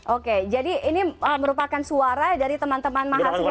oke jadi ini merupakan suara dari teman teman mahasiswa